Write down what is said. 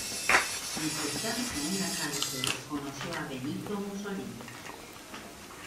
En su estancia en la cárcel conoció a Benito Mussolini.